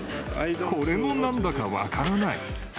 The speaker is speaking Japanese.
これもなんだか分からない。